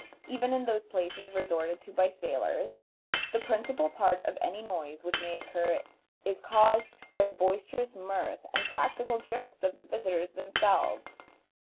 Even in those places resorted to by sailors, the principal part of any noise which may occur is caused by the boisterous mirth and practical jokes of the visitors themselves.